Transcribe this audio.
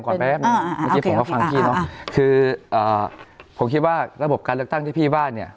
ก่อนแป๊บนี้อ่าอ่าอ่าคืออ่าผมคิดว่าระบบการเลือกตั้งที่พี่ว่าเนี้ย